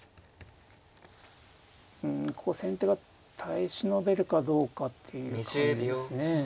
うんここ先手が耐え忍べるかどうかっていう感じですね。